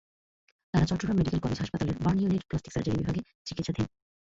তাঁরা Chittagong medical college হাসপাতালের burn and plastic surgery বিভাগে চিকিৎসাধীন।